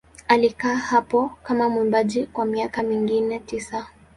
Alikaa hapo kama mwimbaji kwa miaka mingine tisa.